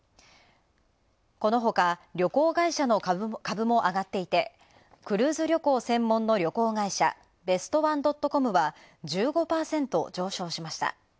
このほか、旅行会社の株も上がっていて、クルーズ旅行専門の旅行会社、ベストワンドットコムは、１５％上昇しました。